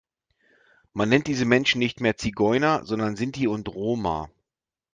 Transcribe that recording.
Man nennt diese Menschen nicht mehr Zigeuner, sondern Sinti und Roma.